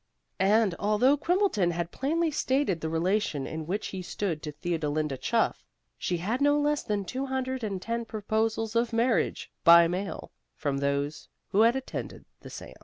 And although Quimbleton had plainly stated the relation in which he stood to Theodolinda Chuff, she had no less than two hundred and ten proposals of marriage, by mail, from those who had attended the seance.